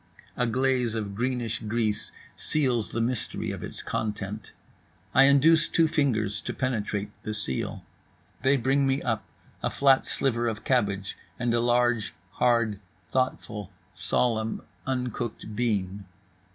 A glaze of greenish grease seals the mystery of its content, I induce two fingers to penetrate the seal. They bring me up a flat sliver of cabbage and a large, hard, thoughtful, solemn, uncooked bean.